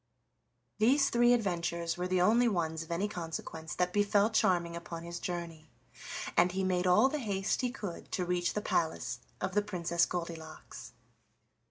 These three adventures were the only ones of any consequence that befell Charming upon his journey, and he made all the haste he could to reach the palace of the Princess Goldilocks.